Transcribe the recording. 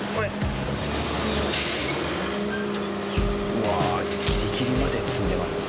うわあギリギリまで積んでますね。